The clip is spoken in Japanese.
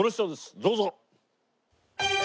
どうぞ！